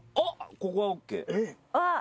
ここはＯＫ。